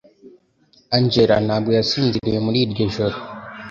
Angela ntabwo yasinziriye muri iryo joro